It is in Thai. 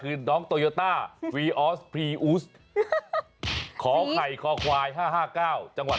คือน้องโตยอต้าวีออสพรีอุสขอไข่คอควายห้าห้าเก้าจังหวัด